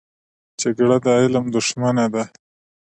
جګړه د علم دښمنه ده